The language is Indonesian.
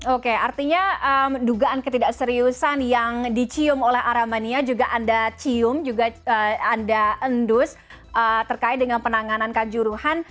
oke artinya dugaan ketidakseriusan yang dicium oleh aramania juga anda cium juga anda endus terkait dengan penanganan kanjuruhan